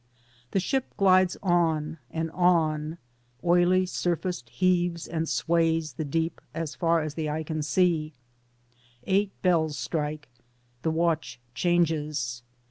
The ship glides on and on. Oily surfaced heaves and sways the deep as far as eye can see. Eight bells strike. The watch changes.